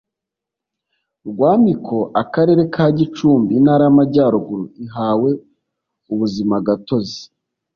rwamiko akarere ka gicumbi intara y amajyaruguru ihawe ubuzimagatozi